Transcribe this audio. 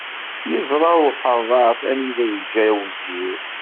Iẓra uḥeṛṛat anida yiǧǧa awzir.